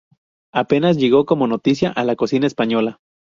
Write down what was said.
Apenas llegó como noticia a la cocina española.